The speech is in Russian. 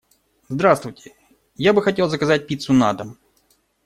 Здравствуйте, я бы хотел заказать пиццу на дом.